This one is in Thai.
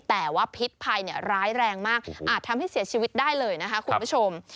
แต่ว่าพิษภัยร้ายแรงมากอาจทำให้เสียชีวิตได้เลยนะคะคุณผู้ชม